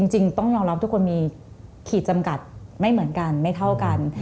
จริงต้องยอมรับทุกคนมีขีดจำกัดไม่เหมือนกันไม่เท่ากัน